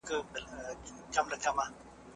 ميرمني ته په حيض کي طلاق ورکول ولي حرام دي؟